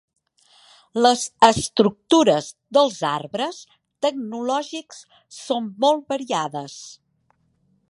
Les estructures dels arbres tecnològics són molt variades.